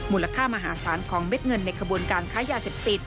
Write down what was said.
มูลค่ามหาศาลของเม็ดเงินในขบวนการค้ายาเสพติด